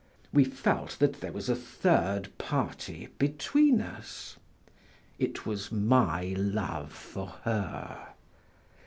We felt that there was a third party between us: it was my love for her.